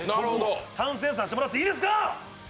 参戦させてもらってもいいですか！